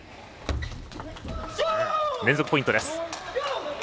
連続ポイントです。